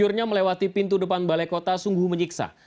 seorang warga melewati pintu depan balai kota sungguh menyiksa